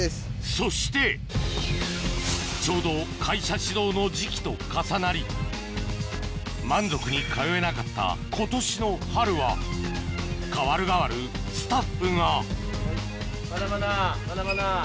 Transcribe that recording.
そしてちょうど会社始動の時期と重なり満足に通えなかった今年の春は代わる代わるスタッフがまだまだまだまだ。